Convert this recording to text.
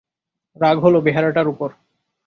রাগ হল বেহারাটার উপর।